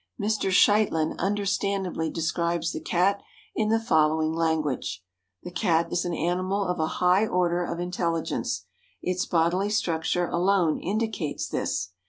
Mr. Scheitlin understandingly describes the Cat in the following language: "The Cat is an animal of a high order of intelligence. Its bodily structure alone indicates this.